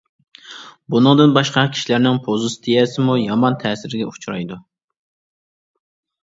بۇنىڭدىن باشقا، كىشىلەرنىڭ پوزىتسىيەسىمۇ يامان تەسىرگە ئۇچرايدۇ.